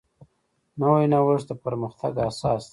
نوی نوښت د پرمختګ اساس دی